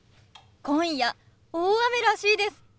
今夜大雨らしいです。